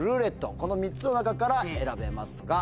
この３つの中から選べますが。